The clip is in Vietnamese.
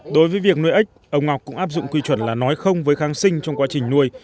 đối với việc nuôi ếch ông ngọc cũng áp dụng quy chuẩn là nói không với kháng sinh trong quá trình nuôi